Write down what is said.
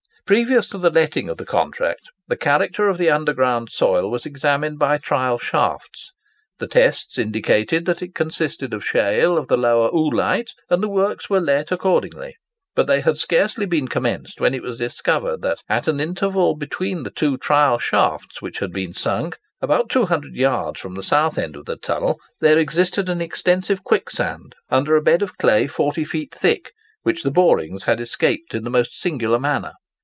Previous to the letting of the contract, the character of the underground soil was examined by trial shafts. The tests indicated that it consisted of shale of the lower oolite, and the works were let accordingly. But they had scarcely been commenced when it was discovered that, at an interval between the two trial shafts which had been sunk, about 200 yards from the south end of the tunnel, there existed an extensive quicksand under a bed of clay 40 feet thick, which the borings had escaped in the most singular manner.